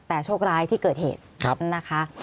แต่โชคร้ายที่เกิดเหตุนะคะ